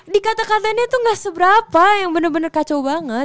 dikatakan katanya tuh gak seberapa yang bener bener kacau banget